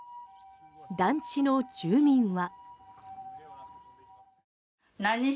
団地の住民は。